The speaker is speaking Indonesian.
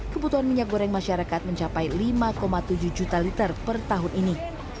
kebutuhan minyak goreng masyarakat mencapai lima tujuh juta liter per tahun ini